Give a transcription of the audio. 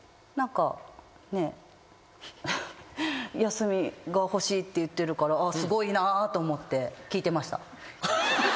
休みが欲しいって言ってるからすごいなぁと思って聞いてました。